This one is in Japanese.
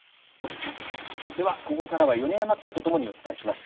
ではここからは米山記者とともにお伝えします。